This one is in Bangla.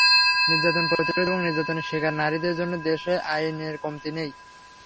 নির্যাতন প্রতিরোধ এবং নির্যাতনের শিকার নারীদের জন্য দেশে আইনের কমতি নেই।